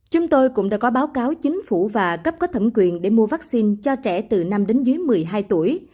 chúng tôi cũng đã có báo cáo chính phủ và cấp có thẩm quyền để mua vaccine cho trẻ từ năm đến dưới một mươi hai tuổi